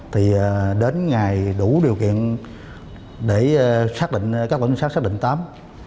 thì đến ngày đủ điều kiện để các tổ trinh sát xác định tám